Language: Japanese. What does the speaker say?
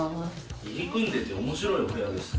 入り組んでておもしろいお部屋ですね。